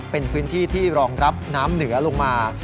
เป็นพื้นที่ที่รองรับน้ำเหนือลงมา